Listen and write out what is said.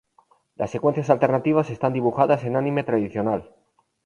Las secuencias alternativas están dibujadas en anime tradicional.